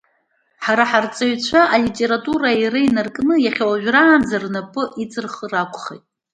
Ҳара ҳарҵаҩцәа алитература, аира инаркны иахьа уажәраанӡа, рнапы иҵырхыр акәхеит.